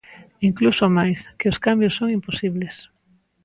Incluso máis: que os cambios son imposibles.